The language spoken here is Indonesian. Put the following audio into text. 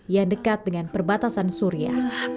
yang dekat dengan perbatasan suria